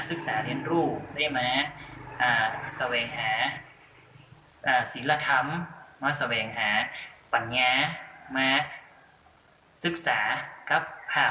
ศึกษากับภาพธิศจรรย์กำลังนี้ได้ครับ